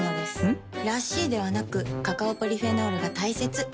ん？らしいではなくカカオポリフェノールが大切なんです。